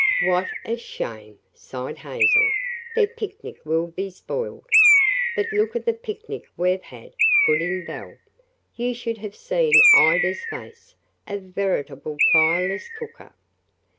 "What a shame!" sighed Hazel. "Their picnic will be spoiled." "But look at the picnic we've had," put in Belle. "You should have seen Ida's face. A veritable fireless cooker."